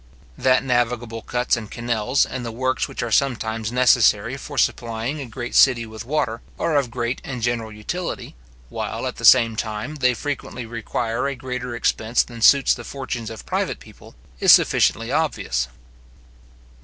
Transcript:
That navigable cuts and canals, and the works which are sometimes necessary for supplying a great city with water, are of great and general utility, while, at the same time, they frequently require a greater expense than suits the fortunes of private people, is sufficiently obvious.